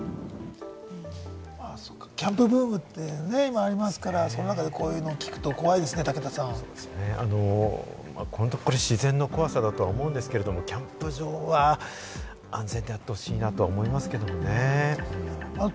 キャンプブームって今、ありますからそのあたり、それを聞くと怖いですよね、自然の怖さだと思うんですけれども、キャンプ場は安全であってほしいなと思いますけどね。